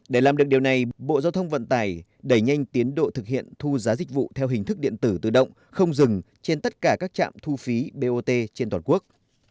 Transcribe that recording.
để làm được điều này bộ giao thông vận tải đẩy nhanh tiến độ thực hiện thu giá dịch vụ theo hình thức điện tử tự động không dừng trên tất cả các trạm thu phí bot trên toàn quốc